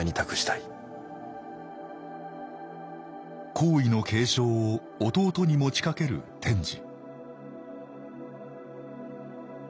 皇位の継承を弟に持ちかける天智